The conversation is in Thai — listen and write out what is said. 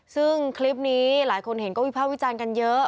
ซึ่งคลิปนี้หลายคนเห็นก็วิภาควิจารณ์กันเยอะ